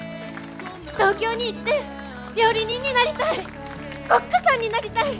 東京に行って料理人になりたい！